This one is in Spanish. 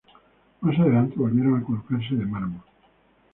Más adelante volvieron a colocarse de mármol.